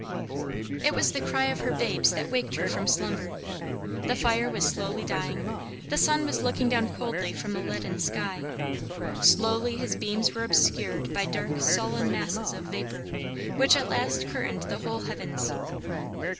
It was the cry of her babes that waked her from slumber. The fire was slowly dying; the sun was looking down coldly from the leaden sky; slowly his beams were obscured by dark, sullen masses of vapor, which at last curtained the whole heavens.